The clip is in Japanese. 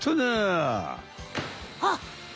あっ！